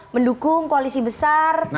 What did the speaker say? mendukung koalisi besar